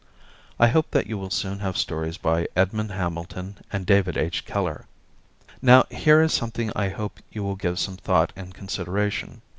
I hope that you will soon have stories by Edmond Hamilton and David H. Keller. Now here is something I hope you will give some thought and consideration.